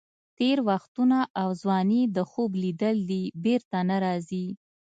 تېر وختونه او ځواني د خوب لیدل دي، بېرته نه راځي.